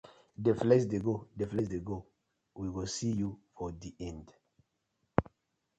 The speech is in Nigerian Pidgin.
Dey flex dey go, dey flex dey go, we go see yu for di end.